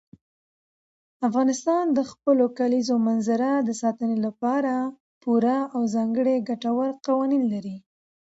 افغانستان د خپلو کلیزو منظره د ساتنې لپاره پوره او ځانګړي ګټور قوانین لري.